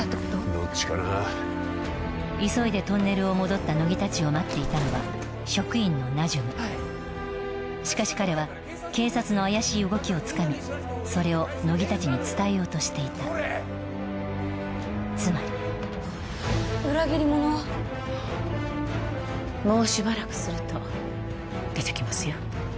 どっちかな急いでトンネルを戻った乃木たちを待っていたのは職員のナジュムしかし彼は警察の怪しい動きをつかみそれを乃木たちに伝えようとしていたつまり裏切り者はもうしばらくすると出てきますよ